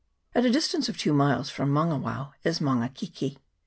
f* At a distance of two miles from Maunga wao is Maunga keke.